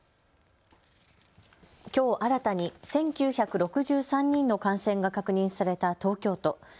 きょう新たに１９６３人の感染が確認された東京都。